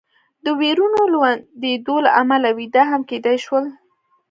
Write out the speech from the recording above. د وېرونو د لوندېدو له امله وي، دا هم کېدای شول.